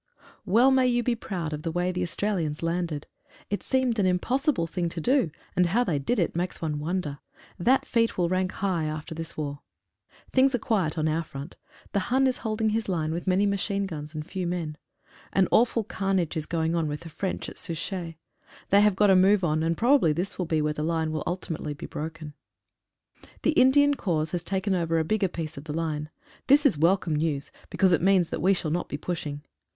ELL may you be proud of the way the Australians landed. It seemed an impossible thing to do, and how they did it, makes one wonder. That feat will rank high after this war. Things are quiet on our front. The Hun is holding his line with many ma chine guns and few men. An awful carnage is going on with the French at Souchez. They have got a move on, and probably this will be where the line will be ulti mately broken. The Indian Corps has taken over a bigger piece of the line. This is welcome news, because it means that we shall not be pushing!